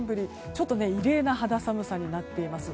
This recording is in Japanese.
ちょっと異例な肌寒さになっています。